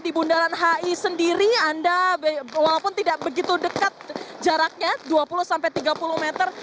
di bundaran hi sendiri anda walaupun tidak begitu dekat jaraknya dua puluh sampai tiga puluh meter